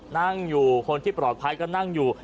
นั่งอยู่คนที่ปลอดภัยก็นั่งอยู่